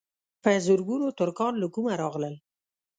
په زرګونو ترکان له کومه راغلل.